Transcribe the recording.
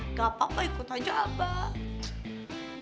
nggak apa apa ikut aja abah